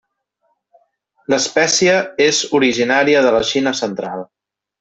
L'espècie és originària de la Xina central.